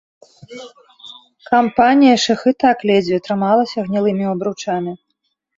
Кампанія ж іх і так ледзьве трымалася гнілымі абручамі.